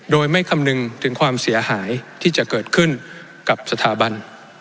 โดยไม่คำนึงถึงความเสียหายที่จะเกิดขึ้นกับสถาบัน